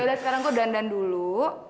yaudah sekarang gua dandan dulu